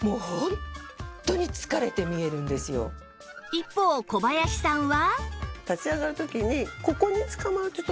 一方小林さんは